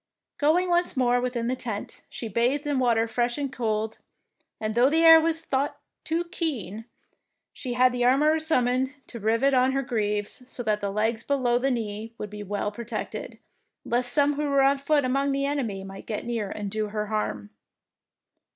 Going once more within the tent, she bathed in water fresh and cold, and though the air was a thought too keen, she had the armourer summoned to rivet on her greaves, so that the legs below the knee should be well pro tected, lest some who were on foot among the enemy might get near and do her harm.